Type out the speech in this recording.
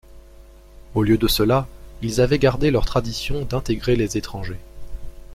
Au lieu de cela, ils avaient gardé leur tradition d'intégrer les étrangers.